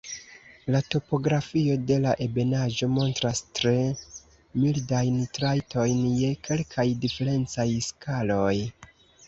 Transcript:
La topografio de la ebenaĵo montras tre mildajn trajtojn je kelkaj diferencaj skaloj.